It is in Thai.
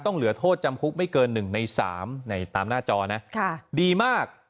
เหลือโทษจำคุกไม่เกิน๑ใน๓ในตามหน้าจอนะดีมาก